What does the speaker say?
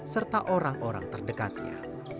serta orang orang terdekatnya